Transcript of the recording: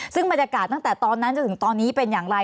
ซึ่งบรรยากาศตั้งแต่ตอนนั้นจนถึงตอนนี้เป็นอย่างไร